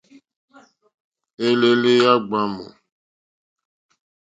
Elele ya gbamu.